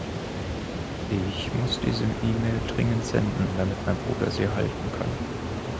Ich muss diese E-Mail dringend senden, damit mein Bruder sie erhalten kann